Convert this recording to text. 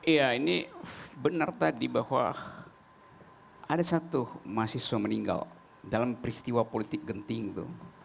iya ini benar tadi bahwa ada satu mahasiswa meninggal dalam peristiwa politik genting itu